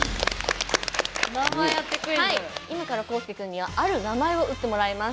今からコウスケ君にはある名前を打ってもらいます。